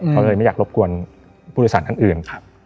เขาเลยไม่อยากรบกวนผู้โดยสารท่านอื่น